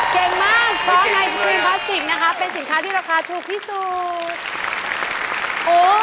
เก่งมากช้อนไอทีวีพลาสติกนะคะเป็นสินค้าที่ราคาถูกที่สุด